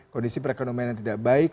kondisi perekonomian yang tidak baik